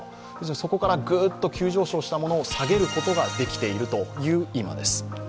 そこから急上昇したものを下げることができている今です。